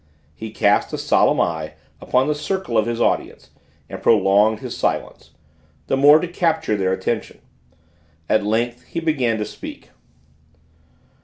He cast a solemn eye upon the circle of his audience and prolonged his silence, the more to capture their attention. At length he began to speak.